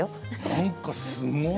何かすごい。